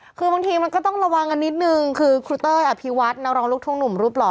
คือบางทีมันก็ต้องระวังกันนิดนึงคือครูเต้ยอภิวัตนักร้องลูกทุ่งหนุ่มรูปหล่อ